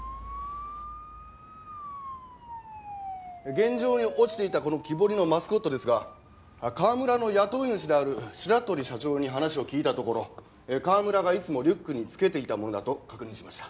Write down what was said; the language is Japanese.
現場に落ちていたこの木彫りのマスコットですが川村の雇い主である白鳥社長に話を聞いたところ川村がいつもリュックにつけていたものだと確認しました。